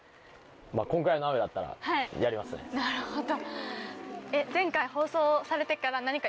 なるほど。